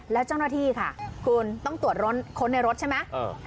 แล้วเจ้าหน้าที่ค่ะคุณต้องตรวจค้นในรถใช่ไหม